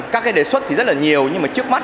các đề xuất rất nhiều nhưng trước mắt